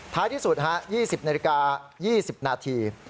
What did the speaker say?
ท้ายที่สุดครับ๒๐นาฬิกา๒๐นาที